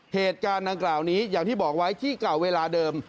เหตุการณ์ดังกล่าวนี้อย่างที่บอกไว้ที่เก่าเวลาเดิม